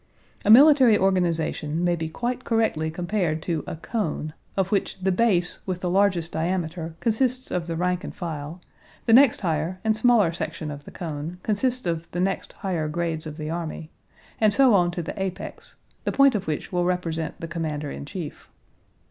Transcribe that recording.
A military organization may be quite correctly compared to a cone, of which the base with the largest diameter consists of the rank and file; the next higher and smaller section of the cone consists of the next higher grades of the army, and so on to the apex, the point of which will represent the commander in chief.